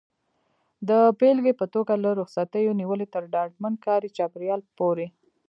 د بېلګې په توګه له رخصتیو نیولې تر ډاډمن کاري چاپېریال پورې.